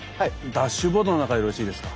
ダッシュボードの中よろしいですか？